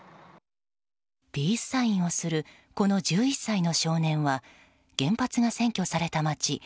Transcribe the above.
ピースサインをするこの１１歳の少年は原発が占拠された街